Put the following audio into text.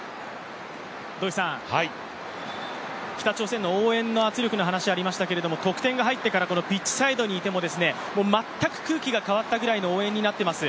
北朝鮮の応援の圧力の話がありましたけれども、得点が入ってからピッチサイドにいても、全く空気が変わったぐらいの応援になっています。